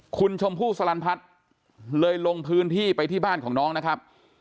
คุณชมพู่สลันพัฒน์เลยลงพื้นที่ไปที่บ้านของน้องนะครับ